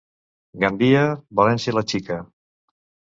Gandia, València la xica.